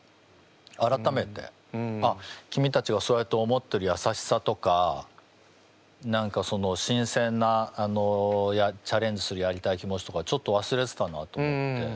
改めて君たちがそうやって思ってるやさしさとか何か新鮮なチャレンジするやりたい気持ちとかちょっとわすれてたなと思って。